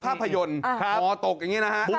ภาพยนตร์มอตกอย่างนี้นะฮะ